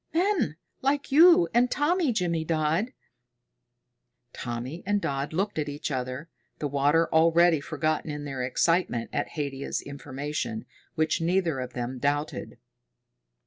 "Men like you and Tommy, Jimmydodd." Tommy and Dodd looked at each other, the water already forgotten in their excitement at Haidia's information, which neither of them doubted.